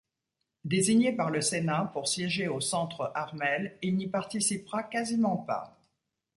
Désigné par le Sénat pour siéger au Centre Harmel il n'y participera quasiment pas.